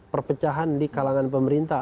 perpecahan di kalangan pemerintah